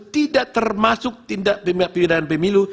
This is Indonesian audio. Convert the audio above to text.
tidak termasuk tindak pidanaan pemilu